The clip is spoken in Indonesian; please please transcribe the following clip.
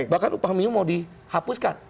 bahkan upah minimum mau dihapuskan